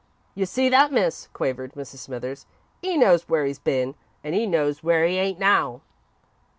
"You see that, Miss?" quavered Mrs. Smithers. "'E knows where 'e's been, and 'e knows where 'e ain't now."